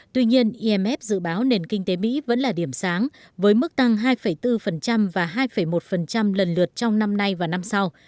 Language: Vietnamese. tuy nhiên imf dự báo nền kinh tế mỹ vẫn là điểm sáng với mức tăng hai bốn và hai một lần lượt trong năm nay và năm sau